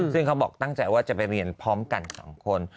ซึ่งเขาบอกตั้งใจว่าจะไปเรียนพร้อมกัน๒คน